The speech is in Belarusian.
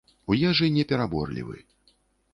У ежы не пераборлівы.